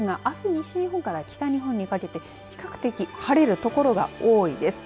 西日本から北日本にかけて比較的晴れる所が多いです。